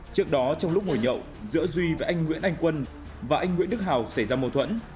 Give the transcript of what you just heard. trước đó trong lúc ngồi nhậu giữa duy với anh nguyễn anh quân và anh nguyễn đức hào xảy ra mâu thuẫn